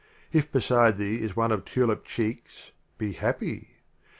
If beside thee is One of Tulip cheeks, be happy.